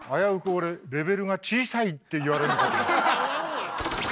俺「レベルが小さい」って言われるのかと思った。